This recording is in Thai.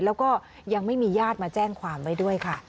แล้วก็ยังไม่มีญาติมาแจ้งความไว้ด้วยค่ะ